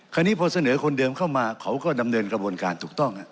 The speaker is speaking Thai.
คราวนี้พอเสนอคนเดิมเข้ามาเขาก็ดำเนินกระบวนการถูกต้อง